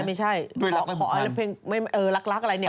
ไม่ใช่ขออภัยละเพลงรักอะไรเนี่ย